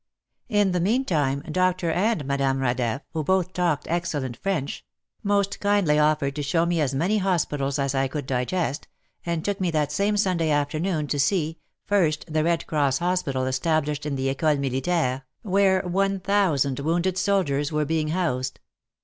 In the meantime Dr. and Madame Radeff — who both talked excellent French — most kindly offered to show me as many hospitals as I could digest, and took me that same Sunday afternoon to see, first the Red Cross Hospital established in theEcole Militaire, where one thousand wounded soldiers were being housed.